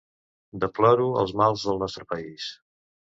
Deploro els mals del nostre país.